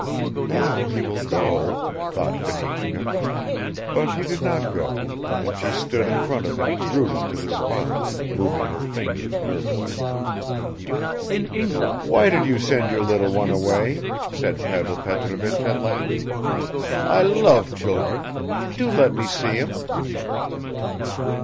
"Now he will go," thought Fenichka; but he did not go and she stood in front of him rooted to the spot, moving her fingers nervously. "Why did you send your little one away?" said Pavel Petrovich at last. "I love children; do let me see him."